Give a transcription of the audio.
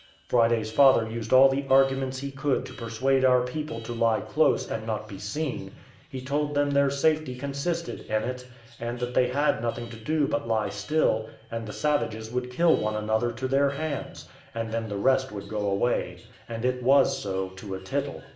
Friday's father used all the arguments he could to persuade our people to lie close, and not be seen; he told them their safety consisted in it, and that they had nothing to do but lie still, and the savages would kill one another to their hands, and then the rest would go away; and it was so to a tittle.